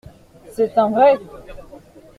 C'est un vrai.